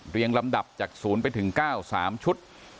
เรียงลำดับจากศูนย์ไปถึง๙๓ชุด